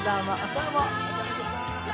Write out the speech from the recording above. どうもお邪魔致します。